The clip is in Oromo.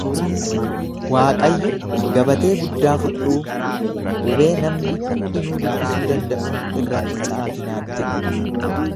Waaqayyo gabatee guddaa fudhuu qubee namni hundinuu dubbisuu danda'uun irratti caafi naan jedhe.